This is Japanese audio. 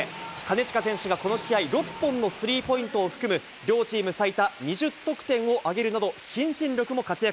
金近選手がこの試合６本のスリーポイントを含む、両チーム最多２０得点を挙げるなど、新戦力も活躍。